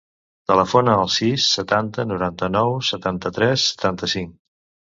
Telefona al sis, setanta, noranta-nou, setanta-tres, setanta-cinc.